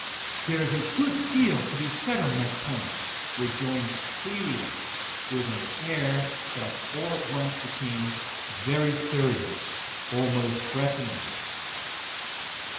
"There is a good deal to be said on that point," rejoined Clélia, with an air that all at once became very serious, almost threatening.